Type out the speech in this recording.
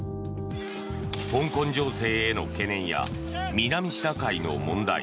香港情勢への懸念や南シナ海の問題